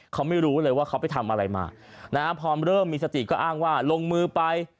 เขาไม่รู้เลยว่าเขาไปทำอะไรมานะฮะพอเริ่มมีสติก็อ้างว่าลงมือไป